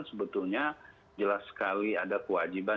sebetulnya jelas sekali ada kewajiban